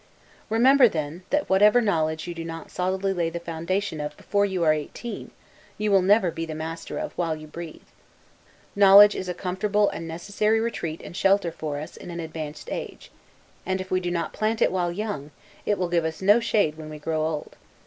Remember, then, that whatever knowledge you do not solidly lay the foundation of before you are eighteen, you will never be the master of while you breathe. Knowledge is a comfortable and necessary retreat and shelter for us in an advanced age; and if we do not plant it while young, it will give us no shade when we grow old.